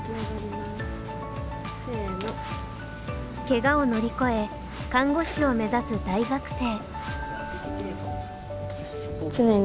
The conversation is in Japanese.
けがを乗り越え看護師を目指す大学生。